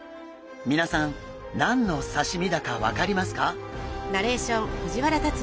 皆さん何の刺身だか分かりますか？